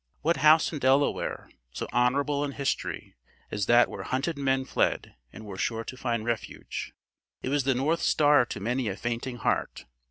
What house in Delaware, so honorable in history, as that where hunted men fled, and were sure to find refuge. It was the North Star to many a fainting heart.